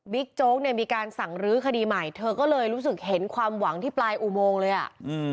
โจ๊กเนี่ยมีการสั่งรื้อคดีใหม่เธอก็เลยรู้สึกเห็นความหวังที่ปลายอุโมงเลยอ่ะอืม